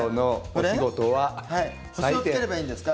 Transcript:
星をつければいいんですか？